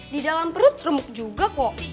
di dalam perut remuk juga kok